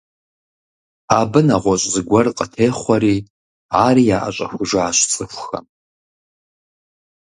Абы нэгъуэщӏ зыгуэр къытехъуэри, ари яӏэщӏэхужащ цӏыхухэм.